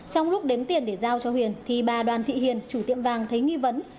trong lúc đếm tiền để giao cho huyền bà đoàn thị hiền chủ tiệm vàng thấy nghi vấn